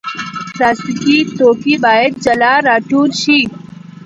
پلاستيکي توکي باید جلا راټول شي.